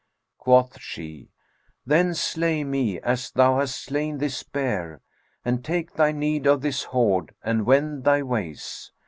Quoth she, 'Then slay me, as thou hast slain this bear, and take thy need of this hoard and wend thy ways.'